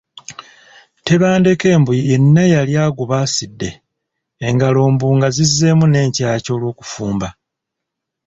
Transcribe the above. Tebandeke mbu yenna yali agubaasidde engalo mbu nga zizzeemu n’enkyakya olw’okufumba.